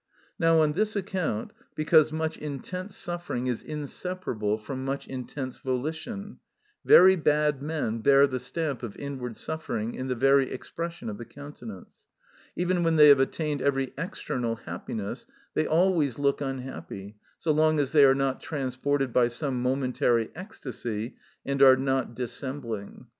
Now on this account, because much intense suffering is inseparable from much intense volition, very bad men bear the stamp of inward suffering in the very expression of the countenance; even when they have attained every external happiness, they always look unhappy so long as they are not transported by some momentary ecstasy and are not dissembling.